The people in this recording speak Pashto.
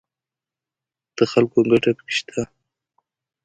د خلکو ګټه پکې شته